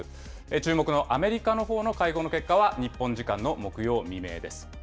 注目のアメリカのほうの会合の結果は日本時間の木曜未明です。